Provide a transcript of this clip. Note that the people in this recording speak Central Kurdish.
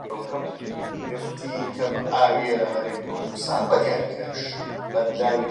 لاوی عێراقیش کە وەک تۆ بچن، لە لاوی لوبنانی جوانترن